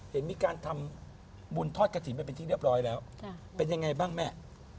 เห็นมีการทำบุญทอดกระถิ่นไปเป็นที่เรียบร้อยแล้วเป็นยังไงบ้างแม่